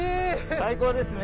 最高ですね。